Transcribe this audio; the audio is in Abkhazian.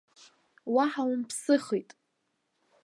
Уаҳа умԥсыхит!